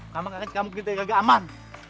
kamu akan kembali ke kota yang aman